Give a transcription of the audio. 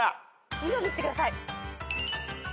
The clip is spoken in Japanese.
２番見してください。